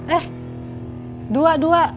eh dua dua